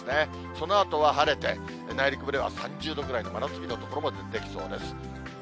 そのあとは晴れて、内陸部では３０度ぐらいの真夏日の所も出てきそうです。